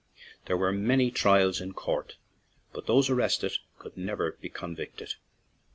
There were many trials in court, but those arrested could never be convicted.